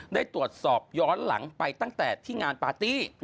ได้ตรวจสอบย้อนหลังไปตั้งแต่ที่งานปาร์ตี้